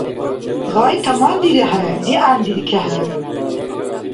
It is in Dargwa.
Гъай тамандирехӀе. ДигӀяндиркехӀе.